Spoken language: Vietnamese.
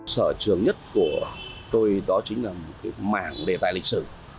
sở trường nhất của tôi đó chính là mạng đề tài lịch sử